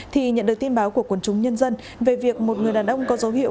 thì nhận được tin báo của quần chúng nhân dân về việc một người đàn ông có dấu hiệu